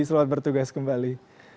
selamat bertugas kembali